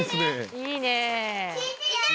いいねえ。